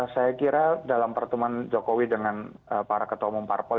saya kira dalam pertemuan jokowi dengan para ketua umum parpol